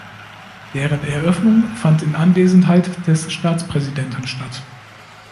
Deren Eröffnung fand in Anwesenheit des Staatspräsidenten statt.